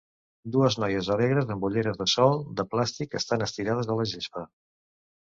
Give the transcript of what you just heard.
Dues noies alegres amb ulleres de sol de plàstic estan estirades a la gespa.